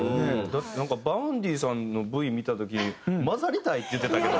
だってなんかＶａｕｎｄｙさんのＶ見た時に「交ざりたい」って言うてたけど。